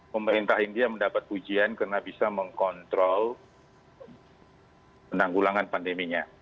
pemerintah india mendapat pujian karena bisa mengkontrol penanggulangan pandeminya